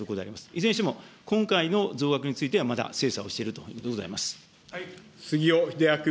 いずれにしても、今回の増額については、まだ精査をしているとい杉尾秀哉君。